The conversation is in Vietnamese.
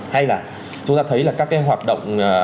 hay là chúng ta thấy là các cái hoạt động